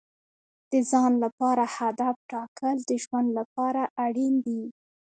د ځان لپاره هدف ټاکل د ژوند لپاره اړین دي.